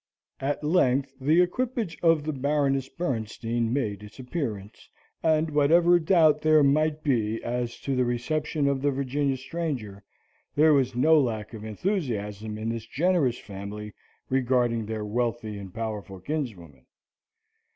At length the equipage of the Baroness Bernstein made its appearance, and whatever doubt there might be as to the reception of the Virginian stranger, there was no lack of enthusiasm in this generous family regarding their wealthy and powerful kinswoman.